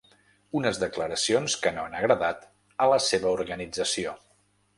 Unes declaracions que no han agradat a la seva organització.